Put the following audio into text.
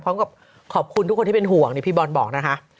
พร้อมกับขอบคุณทุกคนที่เป็นห่วงนี่พี่บอลบอกนะคะ